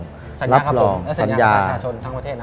สัญญาครับผมและสัญญาประชาชนทั้งประเทศนะ